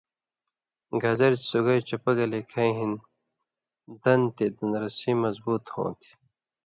گازریۡ سُگائ چپہ گلے کَھیں ہِن دنہۡ تے دندرسی مضبُوط ہوں تھی۔